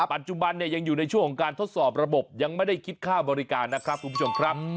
ปัจจุบันเนี่ยยังอยู่ในช่วงของการทดสอบระบบยังไม่ได้คิดค่าบริการนะครับคุณผู้ชมครับ